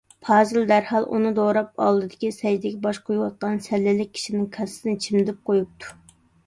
پازىل دەرھال ئۇنى دوراپ، ئالدىدىكى سەجدىگە باش قويۇۋاتقان سەللىلىك كىشىنىڭ كاسىسىنى چىمدىپ قويۇپتۇ.